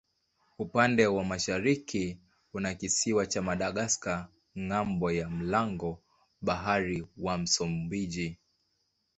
Upande wa mashariki kuna kisiwa cha Madagaska ng'ambo ya mlango bahari wa Msumbiji.